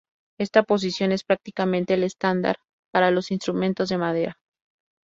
Esta posición es prácticamente el estándar para los instrumentos de madera.